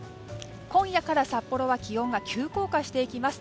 今夜から札幌は気温が急降下していきます。